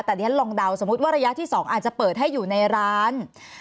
แต่ดิฉันลองเดาสมมุติว่าระยะที่๒อาจจะเปิดให้อยู่ในร้าน